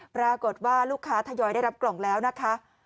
ปรากฏว่าลูกค้าทยอยได้รับกล่องแล้วนะคะ